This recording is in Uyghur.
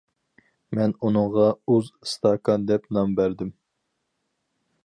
مەن ئۇنىڭغا ئۇز ئىستاكان دەپ نام بەردىم.